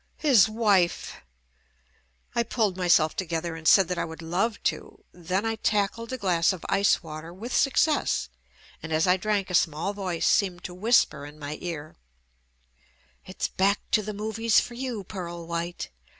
His wife ! I pulled myself together and said that I would love to; then I tackled a glass of ice water with success, and as I drank a small voice seemed to whisper in my ear, "It's back to the movies for you, Pearl White.